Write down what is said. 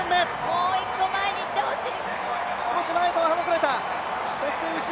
もう一歩前に行ってほしい。